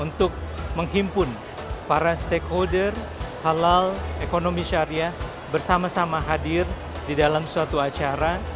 untuk menghimpun para stakeholder halal ekonomi syariah bersama sama hadir di dalam suatu acara